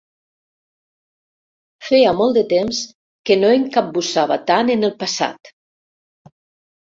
Feia molt de temps que no em capbussava tant en el passat.